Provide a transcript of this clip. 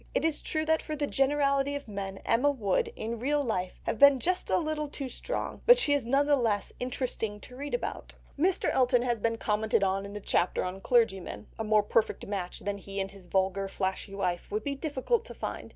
It is true that for the generality of men Emma would, in real life, have been just a little too strong, but she is none the less interesting to read about. Mr. Elton has already been commented on in the chapter on clergymen; a more perfect match than he and his vulgar flashy wife would be difficult to find.